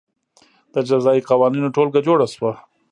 د جزايي قوانینو ټولګه جوړه شوه.